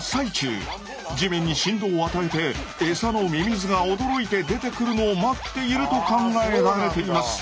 地面に振動を与えてエサのミミズが驚いて出てくるのを待っていると考えられています。